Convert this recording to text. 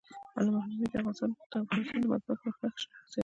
علامه حبيبي د افغانستان د مطبوعاتو مخکښ شخصیت و.